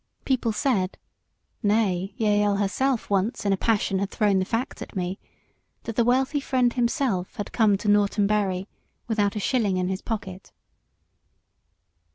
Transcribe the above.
People said nay, Jael herself, once, in a passion, had thrown the fact at me that the wealthy Friend himself had come to Norton Bury without a shilling in his pocket.